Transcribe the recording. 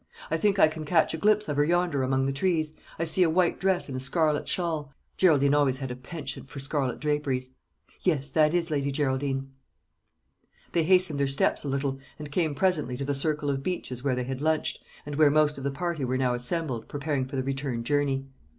I think I can catch a glimpse of her yonder among the trees; I see a white dress and a scarlet shawl. Geraldine always had a penchant for scarlet draperies." "Yes, that is Lady Geraldine." They hastened their steps a little, and came presently to the circle of beeches where they had lunched, and where most of the party were now assembled, preparing for the return journey.